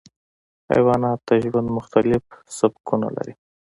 حیوانات د ژوند مختلف سبکونه لري.